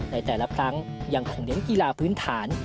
ในแต่ละครั้งยังคงเน้นกีฬาพื้นฐาน